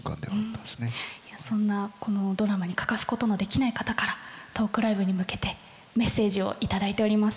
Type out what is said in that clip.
そんなこのドラマに欠かすことのできない方からトークライブに向けてメッセージを頂いております。